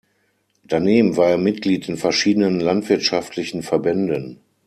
Daneben war er Mitglied in verschiedenen landwirtschaftlichen Verbänden.